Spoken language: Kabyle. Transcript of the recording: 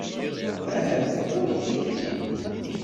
Ahat ɣuṛ-k tikti?